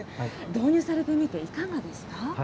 導入されてみて、いかがですか。